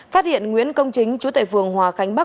phát hiện nguyễn công chính chú tệ phường hòa khánh bắc